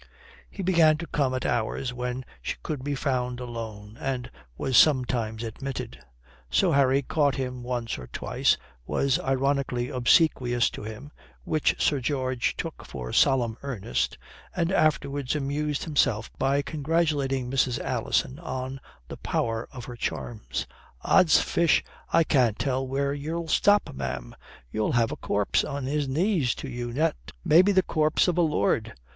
He began to come at hours when she could be found alone and was sometimes admitted. So Harry caught him once or twice, was ironically obsequious to him (which Sir George took for solemn earnest), and afterwards amused himself by congratulating Mrs. Alison on the power of her charms. "Odds fish, I can't tell where you'll stop, ma'am. You'll have a corpse on his knees to you yet. Maybe the corpse of a lord.